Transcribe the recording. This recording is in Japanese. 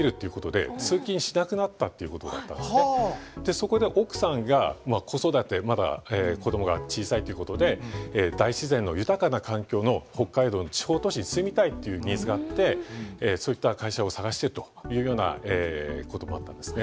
そこで奥さんが子育てまだ子供が小さいということで大自然の豊かな環境の北海道の地方都市に住みたいっていうニーズがあってそういった会社を探してというようなこともあったんですね。